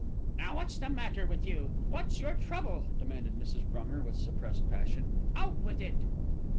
"Now, what's the matter with you? What's your trouble?" demanded Mrs. Brunger, with suppressed passion. "Out with it."